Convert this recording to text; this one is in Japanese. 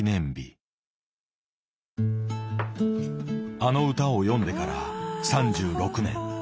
あの歌を詠んでから３６年。